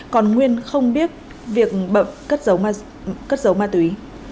còn nguyên không biết việc bậm cất giấu ma túy